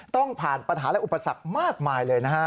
ต้องผ่านปัญหาและอุปสรรคมากมายเลยนะฮะ